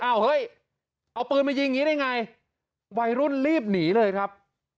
เฮ้ยเอาปืนมายิงอย่างนี้ได้ไงวัยรุ่นรีบหนีเลยครับ